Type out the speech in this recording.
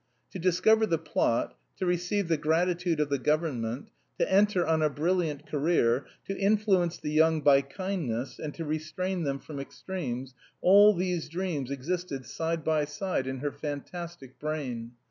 To discover the plot, to receive the gratitude of the government, to enter on a brilliant career, to influence the young "by kindness," and to restrain them from extremes all these dreams existed side by side in her fantastic brain.